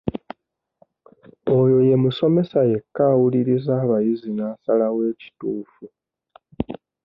Oyo ye musomesa yekka awuliriza abayizi n'asalawo ekituufu.